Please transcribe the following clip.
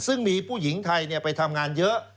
ซึ่งมีผู้หญิงไทยไปทำงานเยอะ